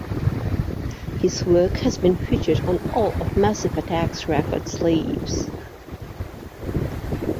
His work has been featured on all of Massive Attack's record sleeves.